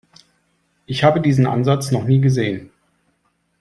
Ich habe diesen Ansatz noch nie gesehen.